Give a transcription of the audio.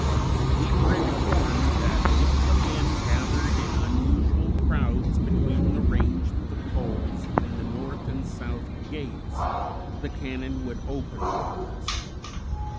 We were informed that if the men gathered in unusual crowds between the range of the poles and the north and south gates, the cannon would open upon us.